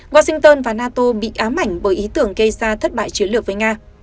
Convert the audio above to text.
washington và nato bị ám ảnh bởi ý tưởng gây ra thất bại chiến lược với nga